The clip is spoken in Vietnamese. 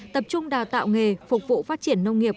tập trung đào tạo nghề phục vụ phát triển nông nghiệp